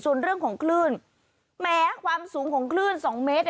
ส่วนเรื่องของคลื่นแม้ความสูงของคลื่นสองเมตร